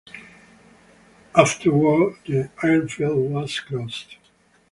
Afterward, the airfield was closed.